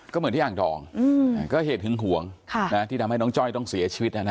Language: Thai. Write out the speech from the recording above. ก็เหมือนที่อ่างทองก็เหตุหึงห่วงที่ทำให้น้องจ้อยต้องเสียชีวิต